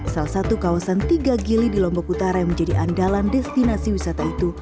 salah satu kawasan tiga gili di lombok utara yang menjadi andalan destinasi wisata itu